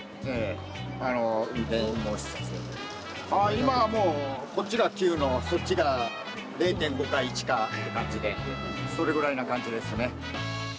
今はもう、こっちが９のそっちが０．５か１かって感じでそれぐらいな感じですね。